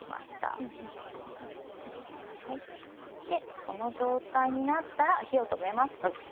でこの状態になったら火を止めます。